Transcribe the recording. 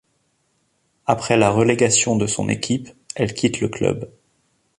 Après la relégation de son équipe, elle quitte le club.